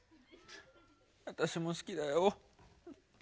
私も好きだよ。